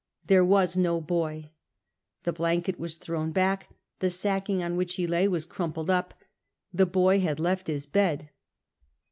There was no boy. The blanket was thrown back, the sacking on which he lay was crumpled up : the boy had left his bed.